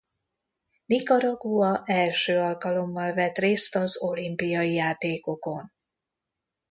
Nicaragua első alkalommal vett részt az olimpiai játékokon.